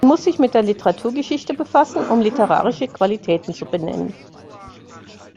Man muss sich mit der Literaturgeschichte befassen, um literarische Qualitäten zu benennen.